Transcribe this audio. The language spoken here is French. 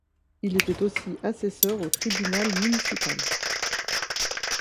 Il était aussi assesseur au tribunal municipal.